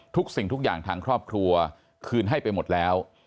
สิ่งทุกอย่างทางครอบครัวคืนให้ไปหมดแล้ว